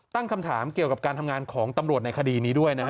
ตั้งคำถามเกี่ยวกับการทำงานของตำรวจในคดีนี้ด้วยนะฮะ